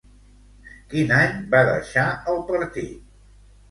Quin any va deixar el partit?